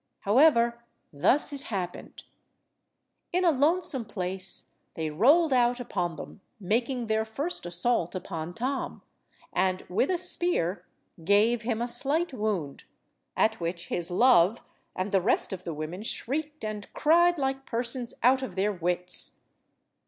However, thus it happened. In a lonesome place they rolled out upon them, making their first assault upon Tom, and, with a spear, gave him a slight wound, at which his love and the rest of the women shrieked and cried like persons out of their wits.